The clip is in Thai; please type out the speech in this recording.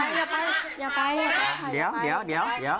อย่าไปอย่าไปอย่าไปเดี๋ยวเดี๋ยวเดี๋ยวเดี๋ยว